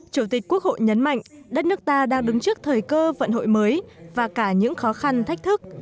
chủ tịch quốc hội nhấn mạnh đất nước ta đang đứng trước thời cơ vận hội mới và cả những khó khăn thách thức